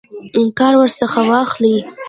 کار ورڅخه واخلي.